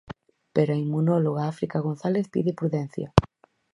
Pero a inmunóloga África González pide prudencia.